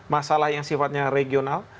masalah yang sifatnya regional